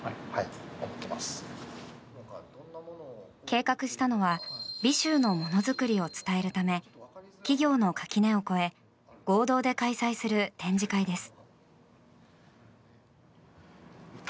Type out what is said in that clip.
計画したのは尾州のものづくりを伝えるため企業の垣根を越え合同で開催する展示会です。